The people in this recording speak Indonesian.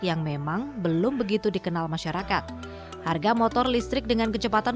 yang memang belum begitu dikenal masyarakat harga motor listrik dan motor kondisi baterai